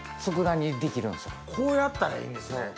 こうやったらいいんですね。